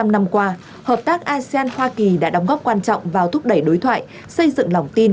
bảy mươi năm năm qua hợp tác asean hoa kỳ đã đóng góp quan trọng vào thúc đẩy đối thoại xây dựng lòng tin